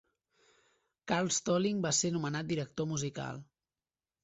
Carl Stalling va ser nomenat director musical.